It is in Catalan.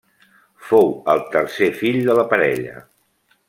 Fou el tercer fill de la parella.